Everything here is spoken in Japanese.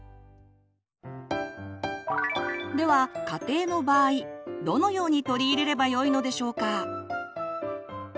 では家庭の場合どのように取り入れればよいのでしょうか？